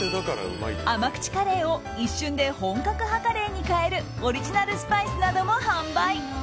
甘口カレーを一瞬で本格派カレーに変えるオリジナルスパイスなども販売。